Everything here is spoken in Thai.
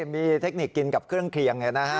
มีเทคนิคกินกับเครื่องเคลียง